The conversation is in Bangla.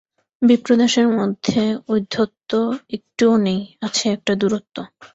বিপ্রদাসের মধ্যে ঔদ্ধত্য একটুও নেই, আছে একটা দূরত্ব।